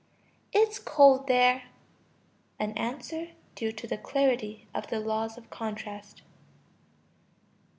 It's cold there (an answer due to the clarity of the laws of contrast).